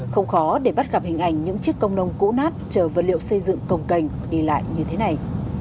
không khó để bắt gặp hình ảnh những chiếc công đông cũ nát chở vật liệu xây dựng cồng cành đi lại như thế này